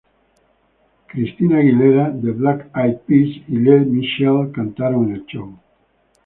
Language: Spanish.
Christina Aguilera, The Black Eyed Peas y Lea Michele cantaron en el show.